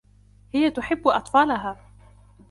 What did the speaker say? هي تحبّ أطفالها.